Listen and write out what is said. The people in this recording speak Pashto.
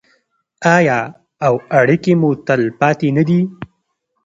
آیا او اړیکې مو تلپاتې نه دي؟